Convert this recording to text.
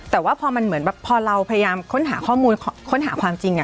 แต่ว่าพอมันเหมือนแบบพอเราพยายามค้นหาข้อมูลค้นหาความจริง